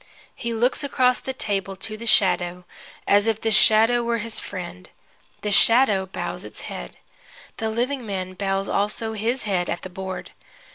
He looks across the table to the shadow, as if the shadow were his friend. The shadow bows its head. The living man bows also his head at the board.